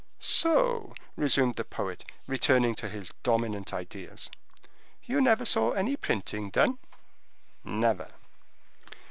"So," resumed the poet, returning to his dominant ideas, "you never saw any printing done?" "Never."